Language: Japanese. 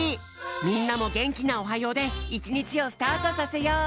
みんなもげんきな「おはよう」でいちにちをスタートさせよう！